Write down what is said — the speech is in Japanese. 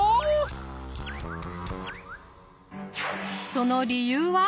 その理由は？